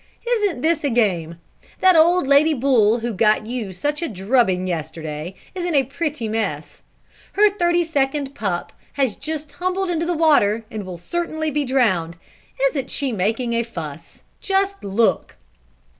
Isn't this a game? That old Lady Bull who got you such a drubbing yesterday, is in a pretty mess. Her thirty second pup has just tumbled into the water, and will certainly be drowned. Isn't she making a fuss? just look!"